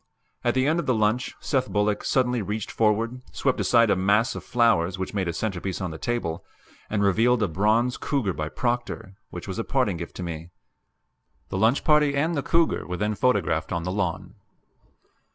At the end of the lunch Seth Bullock suddenly reached forward, swept aside a mass of flowers which made a centerpiece on the table, and revealed a bronze cougar by Proctor, which was a parting gift to me. The lunch party and the cougar were then photographed on the lawn.